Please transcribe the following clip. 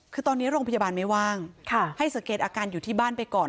คือตอนนี้โรงพยาบาลไม่ว่างให้สังเกตอาการอยู่ที่บ้านไปก่อน